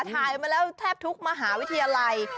ถ่ายมาแล้วแทบทุกมหาวิทยาลัย